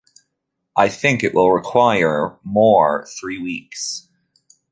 I think it will require more three weeks.